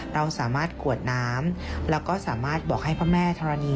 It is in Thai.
เราสามารถกวดน้ำและบอกให้พระแม่ธรณี